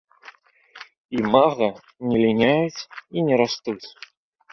Імага не ліняюць і не растуць.